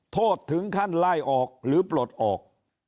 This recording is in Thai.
โทษถึงขั้นไล่ออกหรือปลดออก